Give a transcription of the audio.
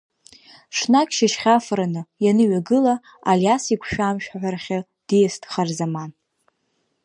Ҽнак шьыжьхьафаны, ианыҩагыла, Алиас игәшәамшә аҳәарахьы диаст Харзаман.